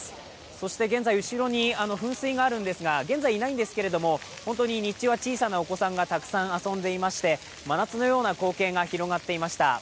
そして現在、後ろに噴水があるんですが、現在はいないんですけど本当に日中は小さなお子さんがたくさん遊んでいまして、真夏のような光景が広がっていました。